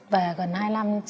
về gần hai năm